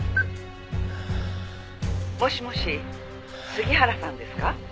「もしもし？杉原さんですか？」